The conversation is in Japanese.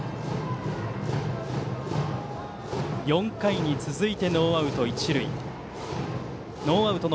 ４回に続いてノーアウト一塁。